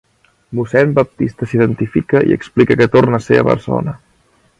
Mossèn Baptista s'identifica i explica que torna a ser a Barcelona.